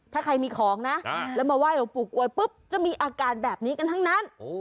ถ้าใครมีของนะแล้วมาไหว้หลวงปู่กวยปุ๊บจะมีอาการแบบนี้กันทั้งนั้น